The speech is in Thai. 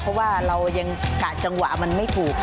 เพราะว่าเรายังกะจังหวะมันไม่ถูก